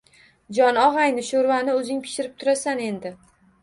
– Jon og‘ayni, sho‘rvani o‘zing pishirib turasan endi